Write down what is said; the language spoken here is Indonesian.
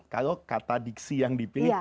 kalau kata diksi yang dipilih